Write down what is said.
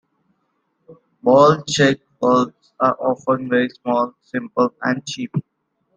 Ball check valves are often very small, simple, and cheap.